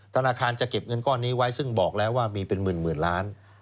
ธนาคารจะเก็บเงินก้อนนี้ไว้ซึ่งบอกแล้วว่ามีเป็นหมื่นล้าน